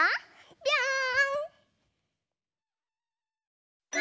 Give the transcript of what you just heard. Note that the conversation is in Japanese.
ぴょん！